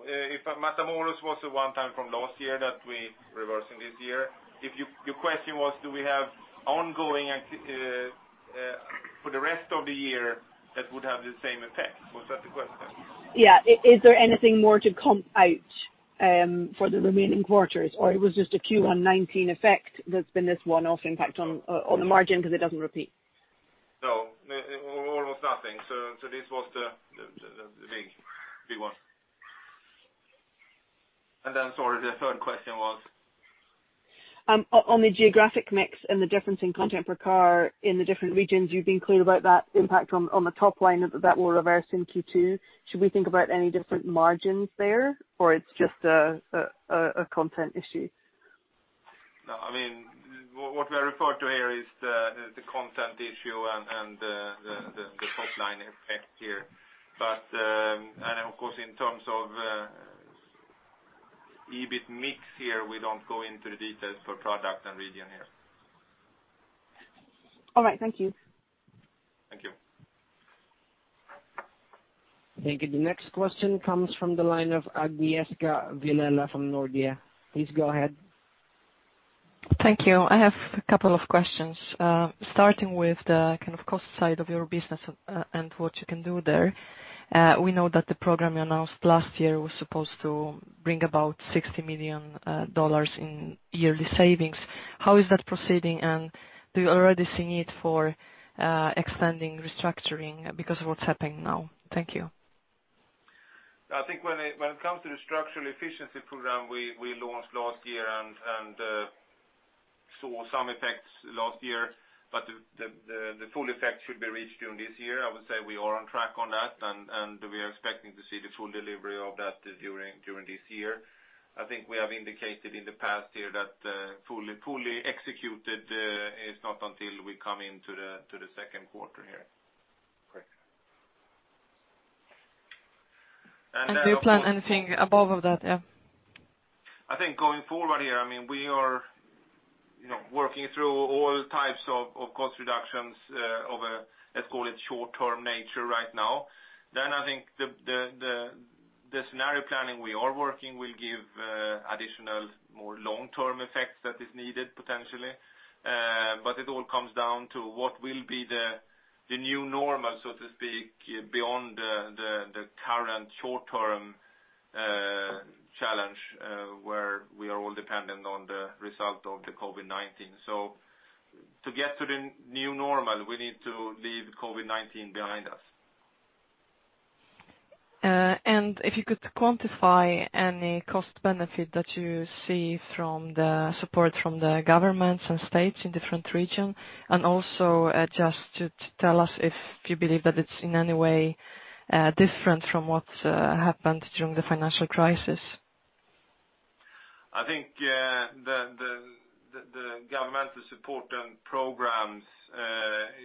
Matamoros was a one-time from last year that we're reversing this year. If your question was do we have ongoing for the rest of the year that would have the same effect, was that the question? Yeah. Is there anything more to comp out for the remaining quarters, or it was just a Q1 2019 effect that's been this one-off impact on the margin because it doesn't repeat? Nothing. This was the big one. Sorry, the third question was? On the geographic mix and the difference in content per car in the different regions, you've been clear about that impact on the top line, that will reverse in Q2. Should we think about any different margins there, or it's just a content issue? No. What we are referred to here is the content issue and the top-line effect here. Of course, in terms of EBIT mix here, we don't go into the details for product and region here. All right. Thank you. Thank you. Thank you. The next question comes from the line of Agnieszka Vilela from Nordea. Please go ahead. Thank you. I have a couple of questions. Starting with the kind of cost side of your business and what you can do there. We know that the program you announced last year was supposed to bring about $60 million in yearly savings. How is that proceeding, and do you already see need for extending restructuring because of what's happening now? Thank you. I think when it comes to the structural efficiency program we launched last year and saw some effects last year, but the full effect should be reached during this year. I would say we are on track on that, and we are expecting to see the full delivery of that during this year. I think we have indicated in the past year that fully executed is not until we come into the second quarter here. Great. Do you plan anything above that? I think going forward here, we are working through all types of cost reductions of let's call it short-term nature right now. I think the scenario planning we are working will give additional, more long-term effects that is needed potentially. It all comes down to what will be the new normal, so to speak, beyond the current short-term challenge, where we are all dependent on the result of the COVID-19. To get to the new normal, we need to leave COVID-19 behind us. If you could quantify any cost benefit that you see from the support from the governments and states in different region, and also just to tell us if you believe that it's in any way different from what happened during the financial crisis. I think the governmental support and programs,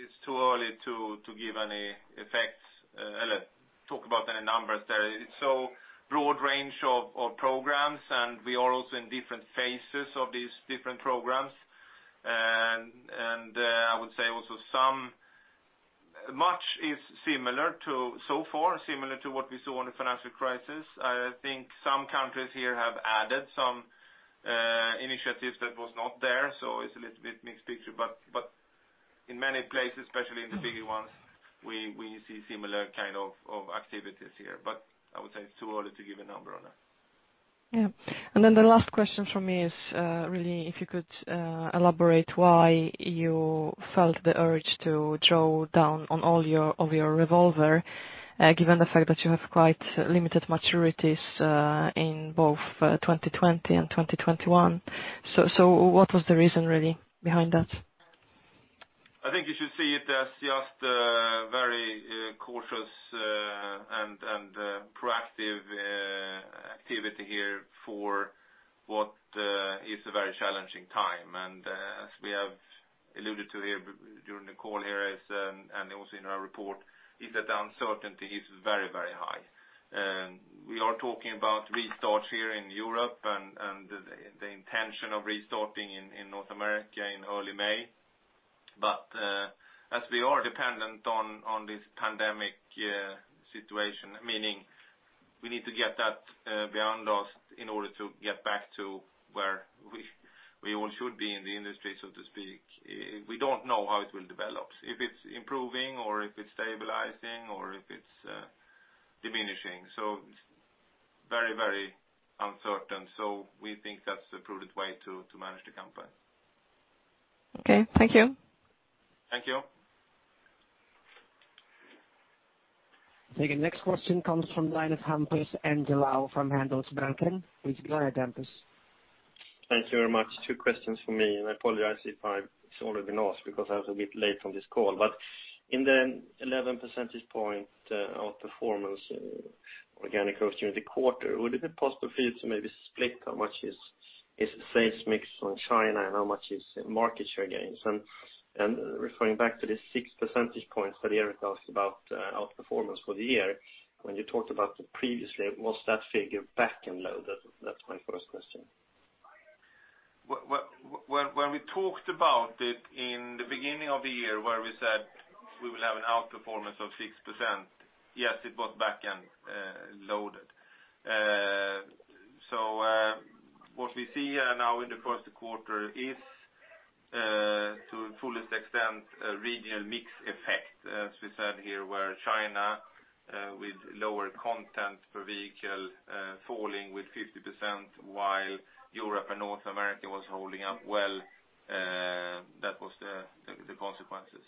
it's too early to give any effects or talk about any numbers there. It's so broad range of programs, we are also in different phases of these different programs. I would say also much is similar so far to what we saw in the financial crisis. I think some countries here have added some initiatives that was not there, it's a little bit mixed picture, in many places, especially in the bigger ones, we see similar kind of activities here, I would say it's too early to give a number on that. Yeah. The last question from me is really if you could elaborate why you felt the urge to draw down on all of your revolver, given the fact that you have quite limited maturities in both 2020 and 2021. What was the reason really behind that? I think you should see it as just very cautious and proactive activity here for what is a very challenging time. As we have alluded to here during the call here and also in our report, is that the uncertainty is very high. We are talking about restarts here in Europe and the intention of restarting in North America in early May. As we are dependent on this pandemic situation, meaning we need to get that behind us in order to get back to where we all should be in the industry, so to speak. We don't know how it will develop, if it's improving or if it's stabilizing or if it's diminishing. Very uncertain. We think that's the prudent way to manage the company. Okay. Thank you. Thank you. Thank you. Next question comes from the line of Hampus Engellau from Handelsbanken. Please go ahead, Hampus. Thank you very much. Two questions from me. I apologize if it's already been asked because I was a bit late on this call. In the 11 percentage point outperformance organic growth during the quarter, would it be possible for you to maybe split how much is sales mix on China and how much is market share gains? Referring back to the 6 percentage points that Erik asked about outperformance for the year, when you talked about it previously, was that figure back and loaded? That's my first question. When we talked about it in the beginning of the year where we said we will have an outperformance of 6%, yes, it was back end loaded. What we see now in the first quarter is to the fullest extent a regional mix effect, as we said here, where China with lower content per vehicle falling with 50%, while Europe and North America was holding up well. That was the consequences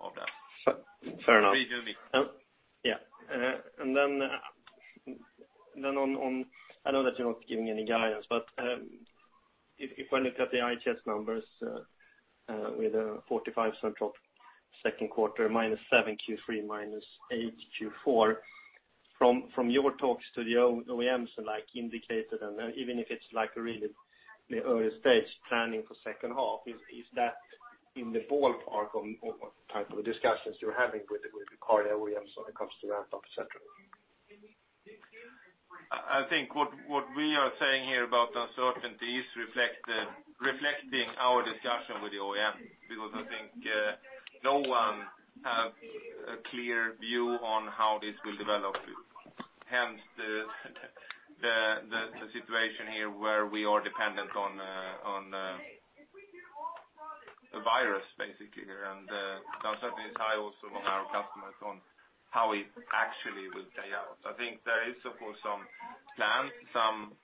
of that. Fair enough. Yeah. I know that you're not giving any guidance, but if I look at the IHS numbers with a 45% drop second quarter, minus seven Q3, minus eight Q4. From your talks to the OEMs indicated, and even if it's a really early stage planning for second half, is that in the ballpark of type of discussions you're having with the car OEMs when it comes to ramp up, et cetera? I think what we are saying here about uncertainties reflecting our discussion with the OEM, because I think no one have a clear view on how this will develop. Hence, the situation here where we are dependent on the virus, basically here, and the uncertainty is high also on our customers on how it actually will play out. I think there is, of course, some plans, some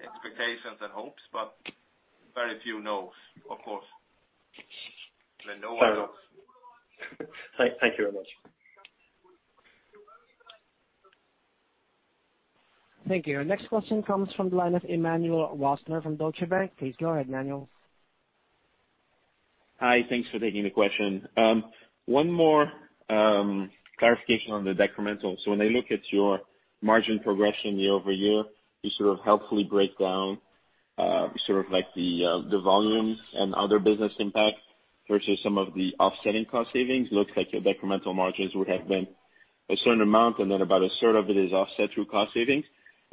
expectations and hopes, but very few knows, of course. No one knows. Fair enough. Thank you very much. Thank you. Our next question comes from the line of Emmanuel Rosner from Deutsche Bank. Please go ahead, Emmanuel. Hi. Thanks for taking the question. One more clarification on the decremental. When I look at your margin progression year-over-year, you sort of helpfully break down the volume and other business impact versus some of the offsetting cost savings. Looks like your decremental margins would have been a certain amount, and then about a third of it is offset through cost savings.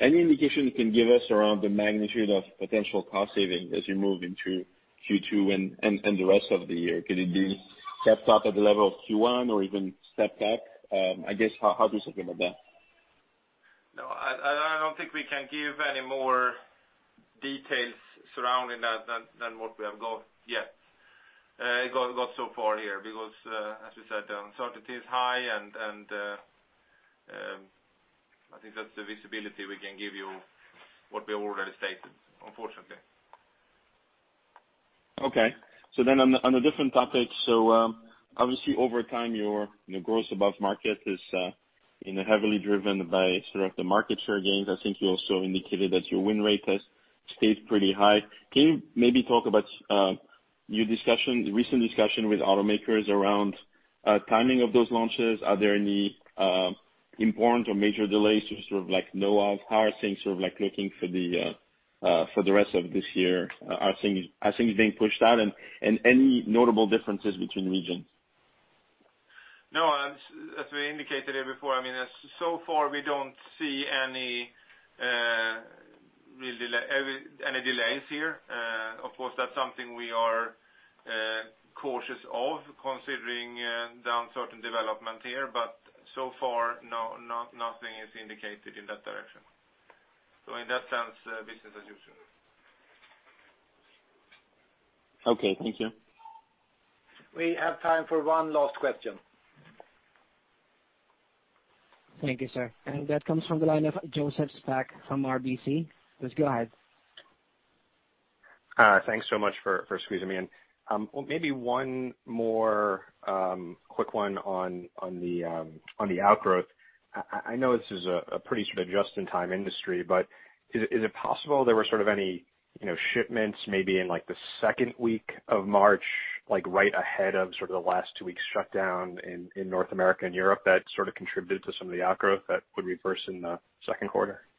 Any indication you can give us around the magnitude of potential cost savings as you move into Q2 and the rest of the year? Could it be stepped up at the level of Q1 or even stepped back? I guess, how do you think about that? No, I don't think we can give any more details surrounding that than what we have got so far here, because as we said, the uncertainty is high and I think that's the visibility we can give you, what we have already stated, unfortunately. Okay. On a different topic. Obviously over time, your gross above market is heavily driven by sort of the market share gains. I think you also indicated that your win rate has stayed pretty high. Can you maybe talk about your recent discussion with automakers around timing of those launches? Are there any important or major delays you sort of know of? How are things looking for the rest of this year? Are things being pushed out? Any notable differences between regions? No, as we indicated here before, so far we don't see any delays here. Of course, that's something we are cautious of considering the uncertain development here. So far, nothing is indicated in that direction. In that sense, business as usual. Okay, thank you. We have time for one last question. Thank you, sir. That comes from the line of Joseph Spak from RBC. Please go ahead. Thanks so much for squeezing me in. Maybe one more quick one on the outgrowth. I know this is a pretty just-in-time industry, but is it possible there were any shipments maybe in the second week of March, right ahead of the last two weeks shutdown in North America and Europe that contributed to some of the outgrowth that would reverse in the second quarter? Yeah.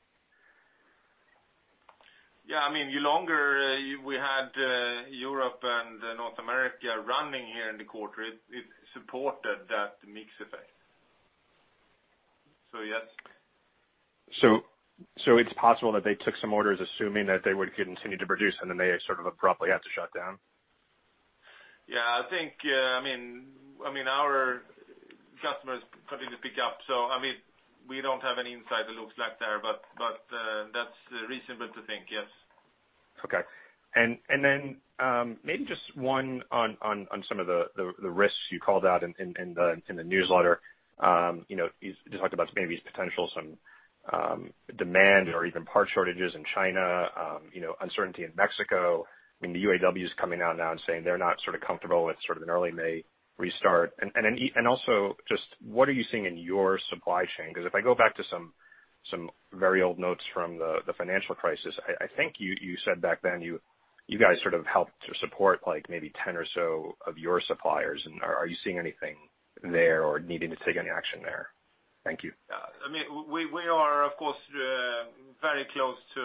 The longer we had Europe and North America running here in the quarter, it supported that mix effect. Yes. It's possible that they took some orders assuming that they would continue to produce and then they abruptly had to shut down? I think our customers continue to pick up. We don't have any insight it looks like there, but that's reasonable to think, yes. Okay. Then, maybe just one on some of the risks you called out in the newsletter. You talked about maybe potential some demand or even part shortages in China, uncertainty in Mexico. The UAW is coming out now and saying they're not comfortable with an early May restart. Also, just what are you seeing in your supply chain? Because if I go back to some very old notes from the financial crisis, I think you said back then you guys helped to support maybe 10 or so of your suppliers. Are you seeing anything there or needing to take any action there? Thank you. We are, of course, very close to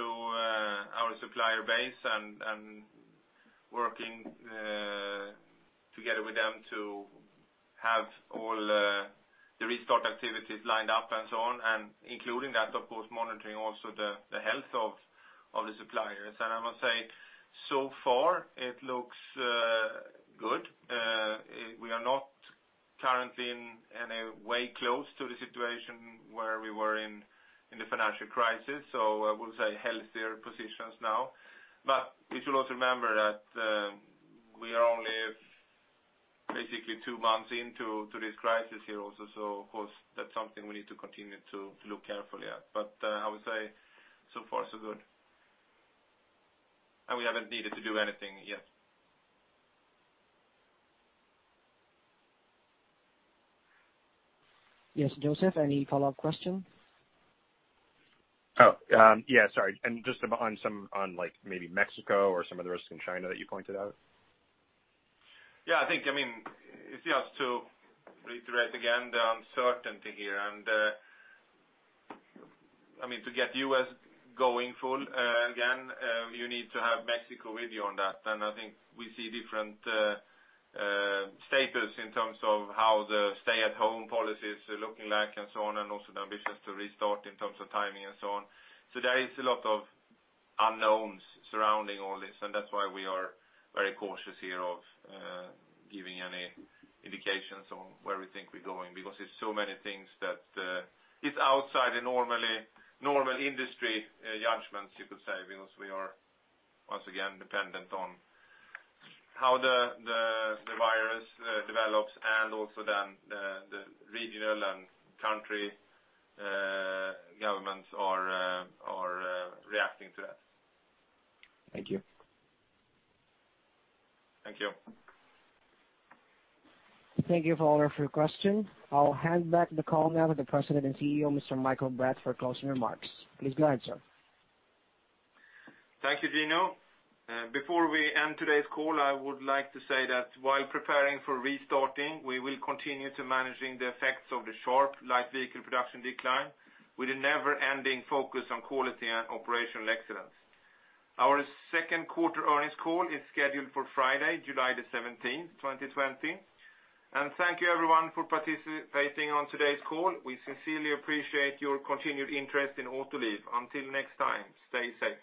our supplier base and working together with them to have all the restart activities lined up and so on, and including that, of course, monitoring also the health of the suppliers. I must say, so far it looks good. We are not currently in any way close to the situation where we were in the financial crisis. I will say healthier positions now. We should also remember that we are only basically two months into this crisis here also. Of course, that's something we need to continue to look carefully at. I would say, so far so good. We haven't needed to do anything yet. Yes, Joseph, any follow-up question? Oh, yeah, sorry. Just on maybe Mexico or some of the risks in China that you pointed out. Yeah, I think just to reiterate again, the uncertainty here and to get U.S. going full again, you need to have Mexico with you on that. I think we see different status in terms of how the stay at home policy is looking like and so on, and also the ambitions to restart in terms of timing and so on. There is a lot of unknowns surrounding all this, and that's why we are very cautious here of giving any indications on where we think we're going, because it's so many things that it's outside a normal industry judgments, you could say, because we are once again dependent on how the virus develops and also then the regional and country governments are reacting to that. Thank you. Thank you. Thank you, all for your question. I'll hand back the call now to the President and CEO, Mr. Mikael Bratt for closing remarks. Please go ahead, sir. Thank you, Gino. Before we end today's call, I would like to say that while preparing for restarting, we will continue to managing the effects of the sharp light vehicle production decline with a never-ending focus on quality and operational excellence. Our second quarter earnings call is scheduled for Friday, July 17th, 2020. Thank you everyone for participating on today's call. We sincerely appreciate your continued interest in Autoliv. Until next time, stay safe.